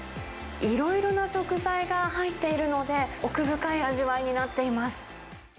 いろいろな食材が入っているので、奥深い味わいになっています。